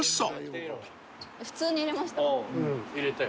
普通に入れました？